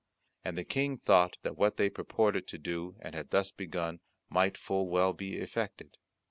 And the King thought that what they purported to do and had thus begun, might full well be effected.